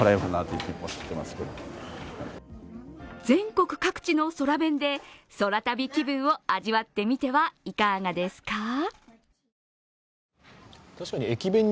全国各地の空弁で空旅気分を味わってみてはいかがですか。